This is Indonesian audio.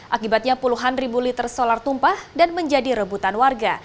akibatnya puluhan ribu liter solar tumpah dan menjadi rebutan warga